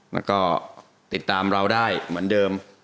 แล้วก็ติดตามเราได้เหมือนเดิม